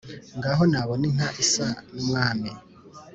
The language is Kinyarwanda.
ngaho nabona inka isa n’umwami